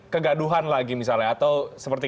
kegaduhan lagi misalnya atau seperti